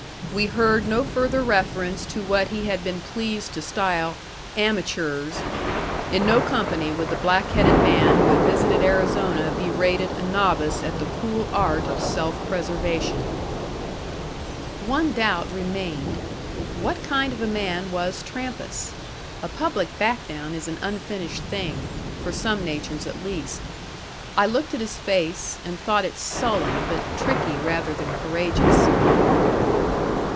We heard no further reference to what he had been pleased to style "amatures." In no company would the black headed man who had visited Arizona be rated a novice at the cool art of self preservation. One doubt remained: what kind of a man was Trampas? A public back down is an unfinished thing, for some natures at least. I looked at his face, and thought it sullen, but tricky rather than courageous.